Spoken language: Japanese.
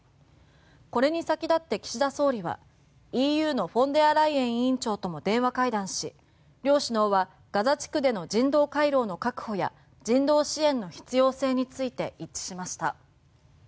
これに先立って岸田総理はＥＵのフォンデアライエン委員長とも電話会談し両首脳はガザ地区での人道回廊の確保や人道支援の必要性について一致しました。